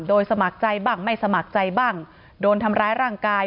โดยสมัครใจบ้างไม่สมัครใจบ้างโดนทำร้ายร่างกาย